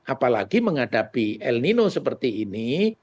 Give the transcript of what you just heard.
apalagi menghadapi el nino seperti ini